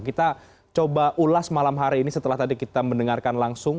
kita coba ulas malam hari ini setelah tadi kita mendengarkan langsung